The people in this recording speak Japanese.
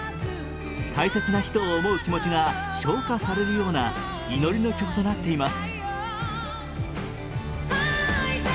大切な人を思う気持ちが昇華されるような祈りの曲となっています。